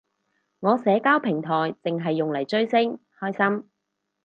我社交平台剩係用嚟追星，開心